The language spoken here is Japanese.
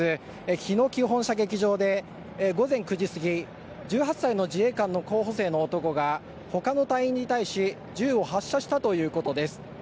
日野基本射撃場で午前９時過ぎ１８歳の自衛官候補生の男がほかの隊員に対し銃を発射したということです。